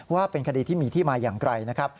ว่าเป็นคดีที่มีที่มาอย่างไกลนะครับ